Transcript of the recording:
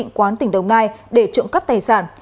định quán tỉnh đồng nai để trộm cắp tài sản